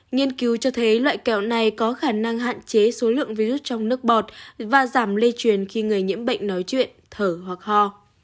nghiên cứu cho thấy loại kẹo này có khả năng hạn chế số lượng virus trong nước bọt và giảm lây truyền khi người nhiễm bệnh nói chuyện thở hoặc ho